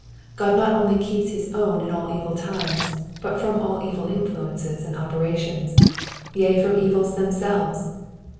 Crod not only keeps his own in all evil times but from all evil influences and operations, yea, from evils themselves.